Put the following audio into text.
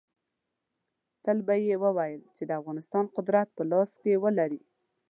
تل به یې ویل چې د افغانستان قدرت په لاس کې ولري.